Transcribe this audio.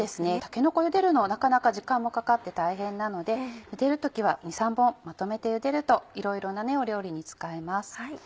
たけのこゆでるのはなかなか時間もかかって大変なのでゆでる時は２３本まとめてゆでるといろいろな料理に使えます。